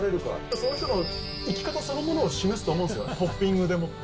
その人の生き方そのものを示すと思うんですよ、トッピングでもって。